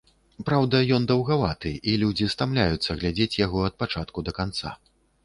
Праўда, ён даўгаваты і людзі стамляюцца глядзець яго ад пачатку да канца.